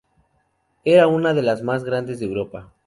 Era una de las más grandes de Europa.